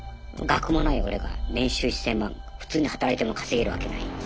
学もない俺が年収１，０００万普通に働いても稼げるわけない。